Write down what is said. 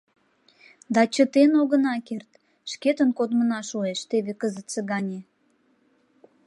— Да, чытен огына керт, шкетын кодмына шуэш, теве кызытсе гане.